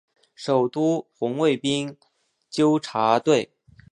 首都红卫兵纠察队。